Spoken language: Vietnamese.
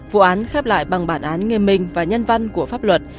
vụ án khép lại bằng bản án nghiêm minh và nhân văn của pháp luật